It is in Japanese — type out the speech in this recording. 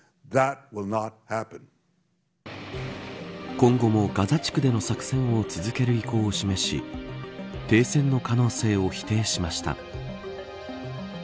今後も、ガザ地区での作戦を続ける意向を示し停戦の可能性を否定しました。